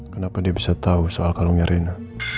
kenapa dia bisa tahu soal kalungnya rina